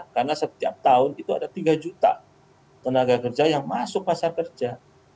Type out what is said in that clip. karena setiap tahun itu ada tiga juta tenaga kerja yang masuk pasar kerja